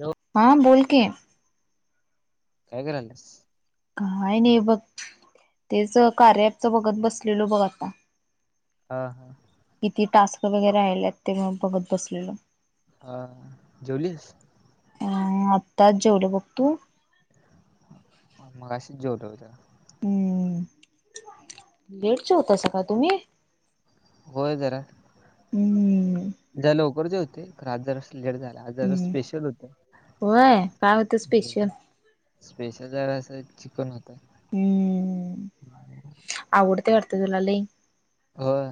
Hello हा बोल की काय करायल्यास काय नाय बघ तेच कार्या ॲप् च बघत बसलेलो बघ आता हा हा किती टास्क वगैरे राहिल्यात ते म बघत बसलेलो अ जेवलीस अ आत्ताच जेवलो बघ तू मगाशीच जेवलं होत हम्म लेट जेवता सा का तुम्ही? होय जरा. हम्म. जरा लवकर जेवतोय खरं आज जरास लेट झाला आज जरा हम्म स्पेशल होत. होय काय होतं स्पेशल स्पेशल जरास चिकन होत. हम्म आवडतय वाटत तुला लय? होय.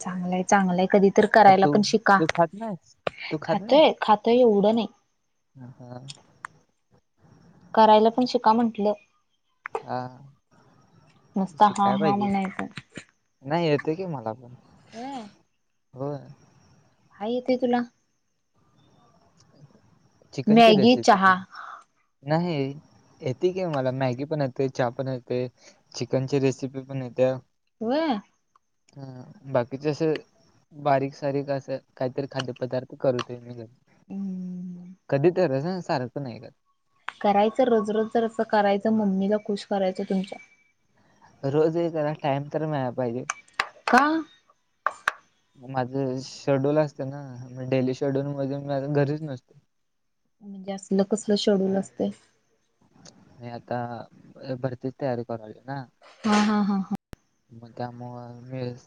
चांगलय चांगलंय कधी तर मग करायला तू पण शिका तू खात नाहीस? तू खातोय खोत त एवढं नाही. ह हां. करायला पण शिका म्हंटलं? हा नुसता हा शिकाय हा पाहिजे. म्हणायचं नाही येतय की मला पण. होय. होय. काय येतय तुला? चिकनची मॅगी रेसिपी चहा येती नाही. येतय की मला मॅगी पण येतय, चहा पण येतोय, चिकनची रेसिपी पण येतेय. व्हय. हा बाकीच अस बारीक सारीक असं काहीतरी खाद्यपदार्थ करतोय मी घरी. हम्म. कधी तरच हा सारखं नाही करत. करायचं रोज रोज जरास करायचं मम्मीला खुश करायचं तुमच्या. रोज हे कराया टाइम तर मिळाला पाहिजे. का? [inaudible] माझं शेड्यूल असते ना, मग डेली शेड्यूल मधुन माझ घरीच नसतो. म्हणजे असलं कसलं शेड्यूल असतय? नाही आणि आता भरतीची तयारी करू रायलो ना. हा हा हा हा. मग त्या मुळ वेळच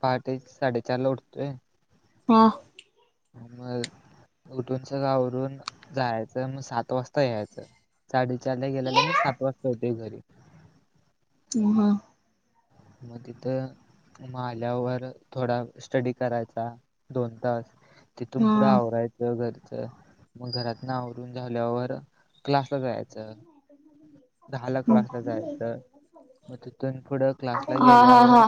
पहाटे साडेचार ला उठतोय. हां. मग उठून सगळ वरून जायाचं मग सात वाजता यायाच. साडेचार ला गेल्याल मी सात वाजता येतोय घरी. हं. मग तिथ मग आल्यावर थोडा स्टडी करायचा दोन तास. तिथून हा हा पुढ आवरायच घर च मग घरातन आवरून झाल्यावर क्लासला जायाचं दहाला हा हा क्लासला जायाचं मग तिथून पुढं क्लासला हा गेल्यावर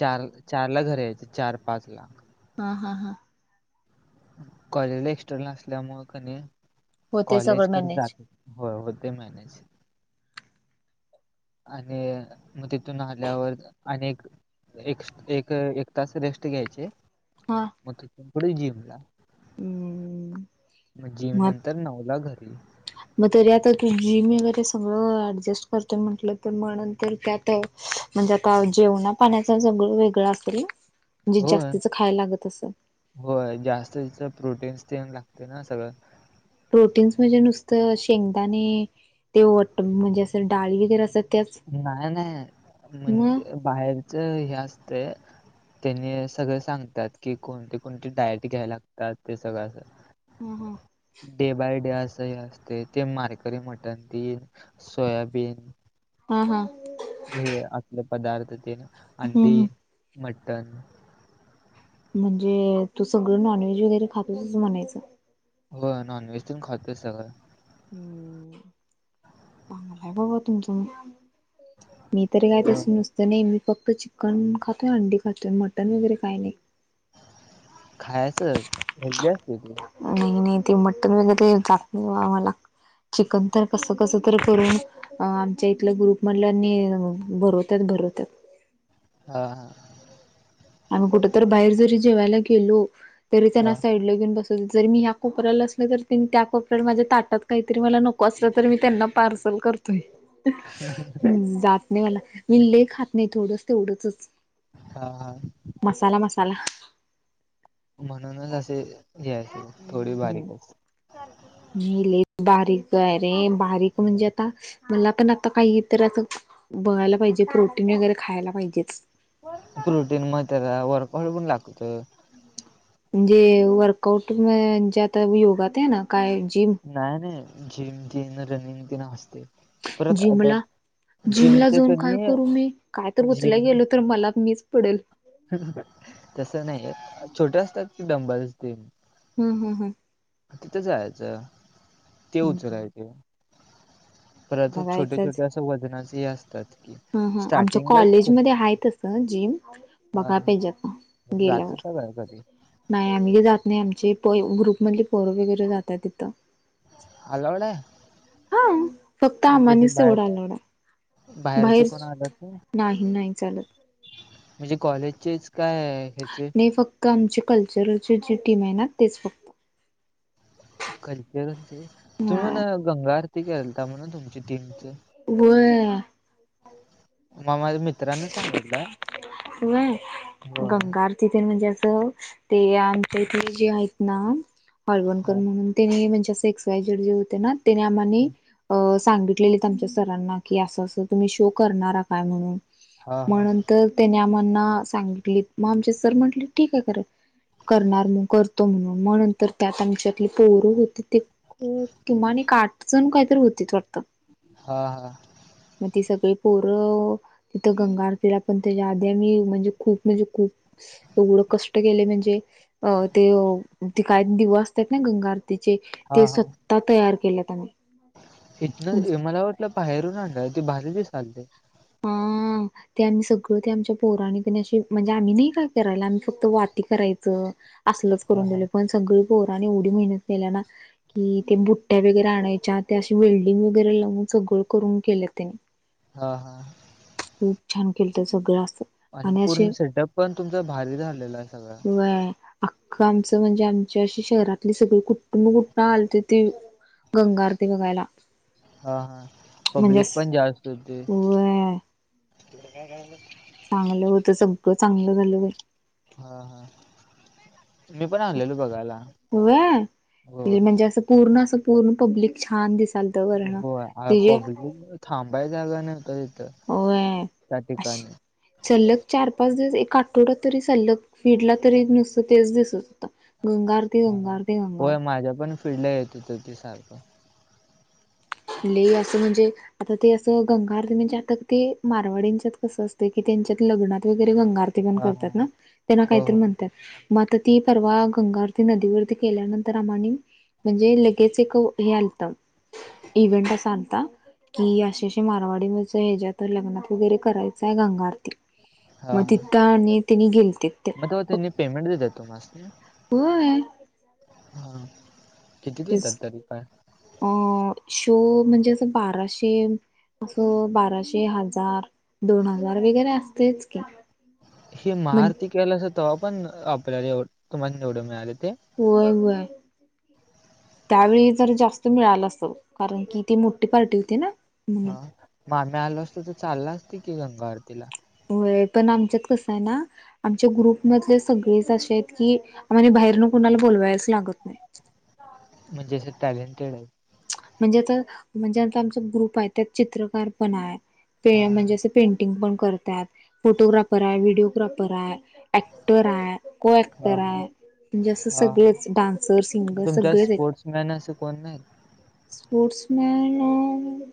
चार चार ला घरी यायच चार पाच ला. हा हा हा. कॉलेजला एक्स्टर्नल असल्यामुळ कनय होते कॉलेज सगळं कड मॅनेज जातच हो होतंय मॅनेज. आणि मग तिथून आल्यावर अनेक एक एक एक तास रेस्ट घ्यायची हा. मग तिथून पुढे जिमला हम्म मग जिम नंतर नऊला घरी. मग त आता तू जिम वगैरे सगळं ऍडजस्ट करत म्हटलं, तर मगं तर ते आता म्हणजे आता जेवणा पाण्याच सगळं, वेगळं असल ना? [inaudible] म्हणजे जास्तीचं खायला लागत असल. होय जास्त त्या प्रोटीन्स तेन लागते ना सगळं. प्रोटीन्स म्हणजे नुसतं, शेंगदाणे तेट म्हणजे असं डाळी वगैरे असं नाय नाय म्हणजे हम् बाहेरचं हे असतं त्यांनी सगळं सांगतात की कोणते कोणते डायट घ्याय लागतात ते सगळं असं हम हम डे बाय डे अस हे असते, ते मारकरी मटण टेन सोयाबीन हा हा. हे आपले पदार्थ ते हम्म अंडी, हम् मटण. म्हणजे तू सगळं नॉन व्हेज वगैरे खातोसच म्हणायचं. हो नॉनव्हेज ते खातो सगळं. हम्म चांगलं हाय बाबा तुमचं मग. मी तरी काय होय [unintelligible] नुसतं तर नेहमी फक्त चिकन खातोय, अंडी खातोय, मटण वगैरे काय नाय. खायच हेल्दी असते ते नाही नाही ते मटन वगैरे जात नाही आम्हाला. चिकन तर कस कस तर करून अ आमच्या इथल्या ग्रुप मधल्यांनी भरवतात भरवतात. हा हा. आम्ही कुठेतरी बाहेर जरी जेवायला गेलो तरी, त्यांना हा, साईडला घेऊन बस. जरी मी या कोपऱ्याला असले, त्यांनी त्या कोपऱ्याला असले, तर मला ताटात काय नको असलं तर मी पार्सल कर ते जात नाही मला, मी लय खात नाही थोडसं तेवढेच. हाहा. मसाला मसाला. म्हणूनच असे घ्यायचे, थोडी बारीक हम्म करून. मी लई बारीक हाय रे, बारीक म्हणजे आता मला पण आता काही तर अस बघायला पाहिजे, प्रोटीन वगैरे खायला पाहिजेच. प्रोटीन मग त्याला वर्कआउट पण लागतं. म्हणजे वर्कआउट म्हजे आता योगा टेन काय जिम. नाय नाय जिम मध्ये रनिंग ते असतं परत जिम ला जिमचे जाऊन काय कणी करू मी? काय जिम उचलायला गेलो तर मीच पडेल. तसं नाय, छोटं असतात की डंबेल्स ती. हम् हम हम. तिथं जायचं. ते हम्म उचलायचे, परत असे छोटे छोटे वजनाचे हे असतात की हम्म हम्म आमच्या स्टार्टिंगला कॉलेज छोटे मध्ये आहे तसं जिम हा बघाय पाहिजे आता, जात गेल्यावर. सगळं कधी नाही आम्ही काय जात नाही. आमचे प ग्रुपमधले पोर वगैरे जातात तिथं. अलाउड हाय? हा फक्त म्हणजे असं आम्हानेच तेवढा बाहेरचं? अलाउड आहे बाहेरचं बाहेर कोण आलं की नाही नाही चालत म्हणजे कॉलेजचेच काय ह्याचे नाही फक्त आमच्या कल्चरची जी टीम आहे ना तेच फक्त. कल्चररची. तुम्ही ह म्हणे गंगा आरती केलंता म्हण तुमच्या टीमची. होय. मला माझ्या मित्रांनं सांगितलं, होय. तिथे म्हणजे असं ते आमच्या इथे जे आहेत ना, हळवणकर हा म्हणून त्यांनी म्हणजे असं एक्स वाय झेड जे होते ना त्यांनी आमानी अ सांगितलेलीत आमच्या सरांना, की असं असं तुम्ही शो करणार काय म्हणून. हा मग नंतर त्याने आम्हाना सांगितलीत, मग आमचे सर म्हंटले ठीक आहे कर करणार मग करतो म्हणून, मग नंतर त्यात आमची आपली पोर होती ते खूप किमान एक आठजण कायतरी होतीत वाटतं. हा हा. मग ती सगळी पोरं तिथं गंगा आरतीला पण त्याच्या आधी आम्ही खूप म्हणजे खूप एवढे कष्ट केले म्हणजे अ ते ते काय दिवे असतात ना गंगा आर तिचे ते स्वतः तयार केलेत आम्ही. इथंन मला वाटलं बाहेरून आणालाय, ते भारी दिसालते. हा. ते आम्ही सगळं ते आमच्या पोरांनी कनई अशी म्हणजे आम्ही नाही काय करायला, आम्ही फक्त वाती करायचं. असलंच हा करून हा दिलं, पण सगळी पोरांनी एवढी मेहनत केल्या ना की ते बुट्ट्या वगैरे आणायच्या, त्या असे वेल्डिंग वगैरे लावून सगळं करून केलं त्यानी. हा हा. खूप छान केलंत सगळं असं. आणि पूर्ण सेटअप पण तुमचा भारी झालेला सगळा. व्हय. अख्खं आमचं म्हणजे आमच्या अशी शहरातली सगळी कुठन कुठनं आालती ते गंगाआरती बघायला. हा हा म्हणजे पब्लिक पण असं जास्त होती. व्हय चांगलं होत, ‌सगळं चांगलं झालं बाई. हा हा. मी पण आलेलो बघायला व्हय होय. ते म्हणजे असं पूर्ण असं पूर्ण पब्लिक छान दिसत हो अ पब्लिक थांबाय जागा नव्हता तिथं. होय. त्या ठिकाणी सल्लग चार पाच दिवस, एक आठवडात तरी सल्लग फिडला तरी नुसतं तेच दिसत होतं. गंगा आर हा, होय माझ्या पण फील्डला येत होतं ते सारखं. लई असं म्हणजे आता ते असं गंगाआरती म्हणजे आता ते मारवाडींच्यात कसं असतें की त्यांच्यात लग्नात वगैरे गंगाआर ती पण हा हा करतात ना, त्याला काय हो तरी हो म्हणत्यात. मग आता ती परवा गंगाआरती नदी वरती केल्या नंतर अमानी म्हणजे लगेच एक हे आलतं इव्हेंट असा आलता की अशी अशी मारवाडीवरच ह्याच्यात लग्नात वगैरे करायचं आहे गंगाारती. हा मग हा तिथं आणि त्यांनी गेलते ते मग तेव्हा त्यांनी पेमेंट देत तुम्हास्नी होय हा. किती देतात तेच तरीपण अ शो म्हणजे असं बाराशे असं बाराशे, हजार दोन हजार वगैरे असतीलच की. ही म्हण महाआरती केलासा तेव्हा पण आपल्या तुम्हाला एवढं मिळाले होते. होय होय त्यावेळी जर जास्त मिळालं असतील कारण की ते मोठी पार्टी होती ना. हा म्हणून मग आम्ही आलो असतो तर चाललं असतं की गंगा आरतीला होय पण आमच्यात कसं ए ना आमच्या ग्रुप मधले सगळेच असेच की म्हणजे बाहेरनं कोणाला बोलवायचं लागत नाही. म्हणजे असे टॅलेंटेड आहेत. म्हणजे तर म्हणजे आमचा आमचा ग्रुप आहे त्यात चित्रकार आहे पणे हा ते म्हणजे असं पेंटिंग पण करतात फोटोग्राफर आहे, व्हिडिओ ग्राफर आहे. ऍक्टर आहे को- हा हा ऍक्टर हा आहे. म्हणजे असे हा हा. सगळेच डान्सर सिंगर मग असे तुमच्या सगळेच आहेत. [unintelligible] असं कोण नाही. स्पोर्ट्स मॅन ए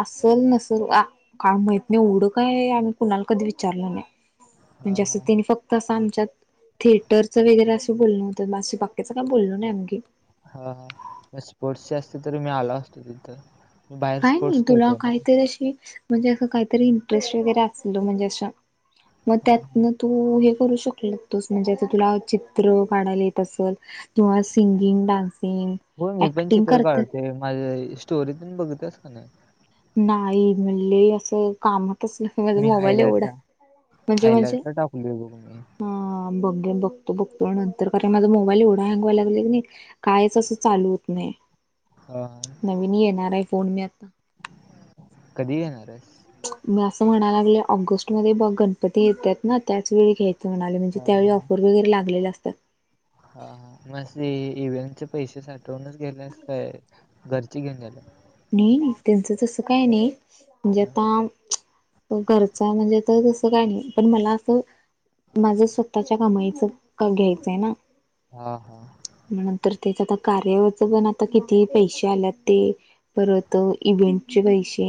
असेल नसेल आ काय माहित नाही, एवढं काय आम्ही कुणाला कधी विचारलं नाही. हा म्हणजे असं हा त्याने फक्त तसं आमच्यात थेटरचं वगैरे असं बोलणं होतंय बस ही बाकीचं काल बोललो नाही आम्ही की. हा हा स्पोर्टची असती तरी मी आलो असतो तिथं. मी बाहेर काय नाही स्पोर्ट्स तुला खेळतोय काही ना तर अशी म्हणजे असं काहीतरी इंटरेस्ट वगैरे असेल तर म्हणजे अशा मग हा हा त्यातनं तू हे करू शकतोय तसं म्हणजे आता तुला चित्र काढायला येत असल. किंवा सिंगिंग, डान्सिंग होय मी पण ऍक्टिंग चित्र करतात. काढतोय माझे स्टोरी तेन बघ त्याच की नाही. नाही मी लई असं काम कसलं माझा मी मोबाईल एवढा हायलाइटला म्हणजे म्हणजे हायलाइटला टाकलोय बघ मी हा बघेन बघतो बघतो अ नंतर का नाही माझा मोबाईल एवढा हँग वाय लागला की नाही. काहीच असं चालू होत नाही हा हा. नवीन येणार आहे फोन मी आता. कधी घेणारायस मी असं म्हणाय लागल्या ऑगस्ट मध्ये बघ गणपती येतेत ना त्याचवेळी घेई म्हणालोय म्हणजे हा त्यावेळी हा ऑफर वगैरे लागलेल्या असत्यात. हा हा मग सी इव्हेंट चे पैसे साठवूनच घेणार हायस काय. घरची घेऊन जाणार नाही नाही त्यांचं तसं काय नाही म्हणजे हा आता घरचं ये म्हणजे तर तसं काय नाही पण मला असं माझ्या स्वतःच्या कमाईचा [unintelligible] घ्यायचा ये ना. हा. हा. मग नंतर तेच आत्ता कार्यावरचं पण आता किती पैसे आलेत ते. परत इव्हेंटचे पैशे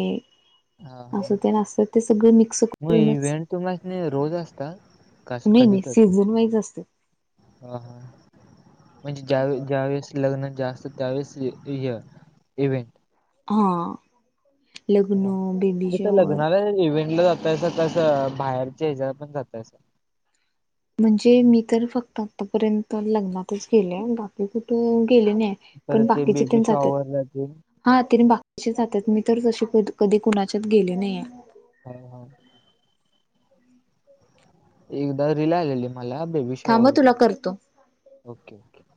हा अस हा तेन असं ते सगळं मिक्स मग करूनच. इव्हेंट तुम्हासनी रोज असतात का असं नई कधी नई तर सीजन वाईज असत हा हा म्हणजे ज्यावेळी ज्यावेळेस लग्न जास्त त्यावेळेस य इव्हेंट हा लग्न बेबी शॉअर तेच इव्हेंटला जातायसा तस बाहेरच्या ह्याच्यातपण जातायसा म्हणजे मी तर फक्त आतापर्यंत लग्नातच केले बाकी कुठे गेले नाही हाय परत ते बेबी शॉवर ला तेन हा त्यांनी बाकीचे जात्यात मी तर तशी कधी कुणाच्यात गेले नाहीय हा हा [inaudible] एकदा रिल आलेली मला बेबी थांब हं शॉवर तुला करतो. Okay okay